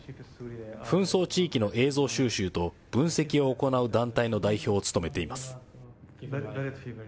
紛争地域の映像収集と分析を行う団体の代表を務めています。